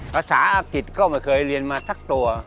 ภาษาอังกฤษก็ไม่เคยเรียนมาสักตัว